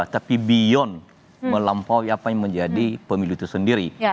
tapi beyond melampaui apa yang menjadi pemilu itu sendiri